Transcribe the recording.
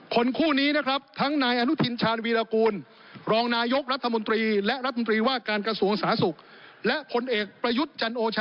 คนคู่นี้นะครับทั้งนายอนุทินชาญวีรกูล